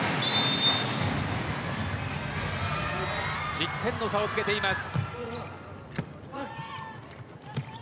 １０点の差をつけています。